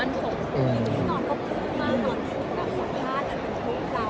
อย่างที่น้องก็พูดมากตอนที่น้องสัมภาษณ์กันทั้งทุกครั้ง